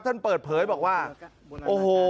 ท่านเปิดเผยบอกว่าโอ้โห